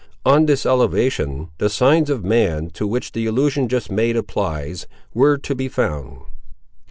On this elevation the signs of man, to which the allusion just made applies, were to be found.